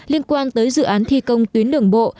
liên quan tới dự án thi công tuyến đường bộ